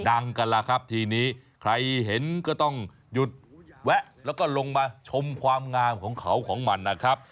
กันล่ะครับทีนี้ใครเห็นก็ต้องหยุดแวะแล้วก็ลงมาชมความงามของเขาของมันนะครับ